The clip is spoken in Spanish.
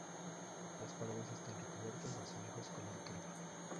Las paredes están recubiertas de azulejos color crema.